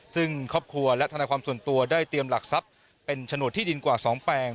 ซึ่งครอบครัวและธนาความส่วนตัวได้เตรียมหลักทรัพย์เป็นโฉนดที่ดินกว่า๒แปลง